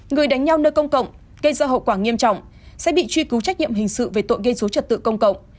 người đánh nhau nơi công cộng gây ra hậu quả nghiêm trọng sẽ bị truy cứu trách nhiệm hình sự về tội gây dối trật tự công cộng